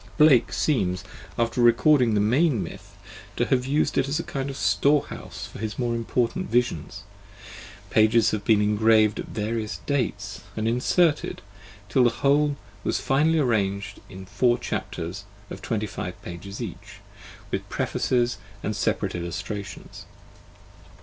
Blake seems, after recording the main myth, to have used it as a kind of storehouse for his more important visions: pages have been engraved at various dates and inserted, till the whole was finally arranged in four chapters of twenty five pages each, with prefaces and separate illustrations.